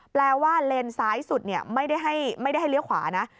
แปลว่าเลนซ้ายสุดไม่ได้ให้เลี้ยวขวานะ